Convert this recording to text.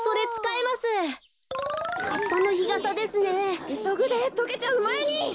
いそぐでとけるまえに。